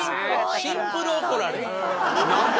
シンプル怒られなんで。